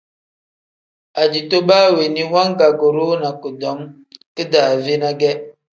Ajito baa weeni wangaguurinaa kudom kidaave ne ge.